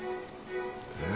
え？